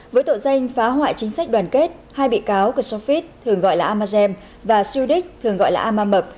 với tổ danh phá hoại chính sách đoàn kết hai bị cáo kersofit thường gọi là amazem và sudik thường gọi là amamab